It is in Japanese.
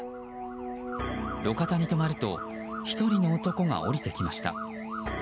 路肩に止まると１人の男が降りてきました。